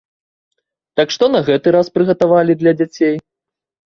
Так што на гэты раз прыгатавалі для дзяцей?